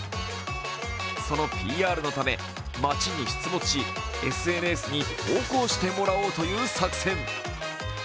そのＰＲのため町に出没し、ＳＮＳに投稿してもらおうという作戦